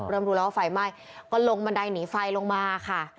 เริ่มรู้แล้วว่าไฟไหม้ก็ลงบันไดหนีไฟลงมาค่ะ